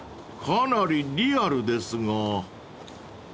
［かなりリアルですが］